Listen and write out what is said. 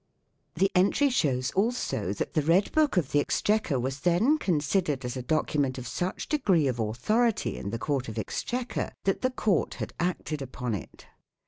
The Entry shews also that the Red Book of the Exchequer was then considered as a Docu ment of Such Degree of Authority in the Court of Exchequer, that the Court had acted upon it.